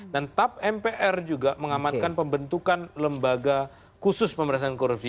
dan tap mpr juga mengamankan pembentukan lembaga khusus pemberasaan korupsi